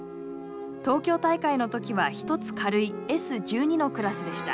東京大会の時は１つ軽いＳ１２のクラスでした。